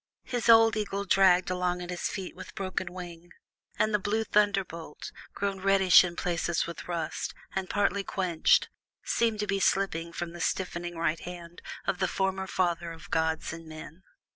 His old eagle dragged along at his feet with broken wing, and the blue thunderbolt, grown reddish in places from rust, and partly quenched, seemed to be slipping from the stiffening right hand of the former father of gods and men.